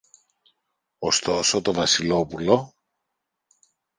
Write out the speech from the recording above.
Ωστόσο το Βασιλόπουλο